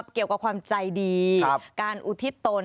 เกี่ยวกับความใจดีการอุทิศตน